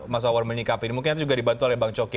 mas wawan menyikapi ini mungkin juga dibantu oleh bang coki